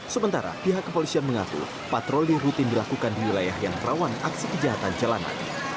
sementara pihak kepolisian mengaku patroli rutin berlaku di wilayah yang terawan aksi kejahatan celana